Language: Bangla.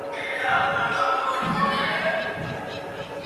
খেমি শব্দ শুনিয়া ব্যস্ত হইয়া কহিল, বউঠাকরুন, করিতেছ কী।